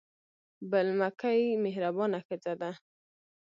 بل مکۍ مهربانه ښځه ده.